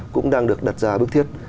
cũng đang được đặt ra bước thiết